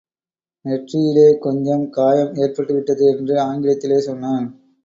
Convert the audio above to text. நெற்றியிலே கொஞ்சம் காயம் ஏற்பட்டுவிட்டது என்று ஆங்கிலத்திலே சொன்னான்.